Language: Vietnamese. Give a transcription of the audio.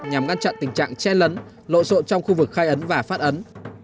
nhằm ngăn chặn tình trạng che lấn lộ rộn trong khu vực khai ấn và phát ấn